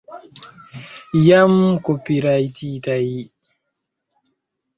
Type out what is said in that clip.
Jam kopirajtitaj